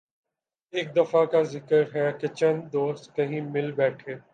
ایک دفعہ کا ذکر ہے کہ چند دوست کہیں مل بیٹھے